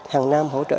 hàng năm hỗ trợ